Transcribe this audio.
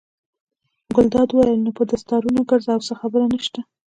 ګلداد وویل: نو په دستارونو ګرځئ او څه خبره نشته.